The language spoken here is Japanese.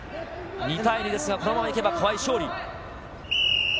２対２ですがこのままいけば川井勝利。